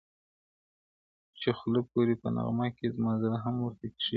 • چی خوله پوری په نغمه کی زما زړه هم ورته گډېږی -